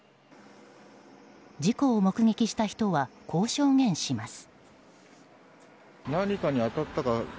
事故を目撃した人はこう証言します。